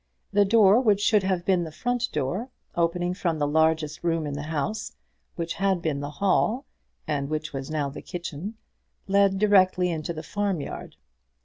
The door which should have been the front door, opening from the largest room in the house, which had been the hall and which was now the kitchen, led directly into the farmyard.